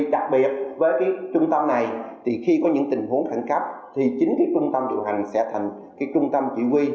đặc biệt với trung tâm này thì khi có những tình huống khẳng cấp thì chính trung tâm điều hành sẽ thành trung tâm chỉ huy